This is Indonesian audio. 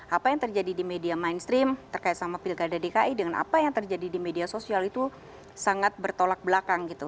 apa yang terjadi di media mainstream terkait sama pilkada dki dengan apa yang terjadi di media sosial itu sangat bertolak belakang gitu